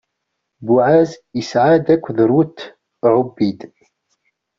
Buɛaz isɛa-d akked Rut Ɛubid.